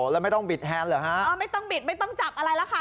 แล้วไม่ต้องบิดแฮนดเหรอฮะอ๋อไม่ต้องบิดไม่ต้องจับอะไรแล้วค่ะ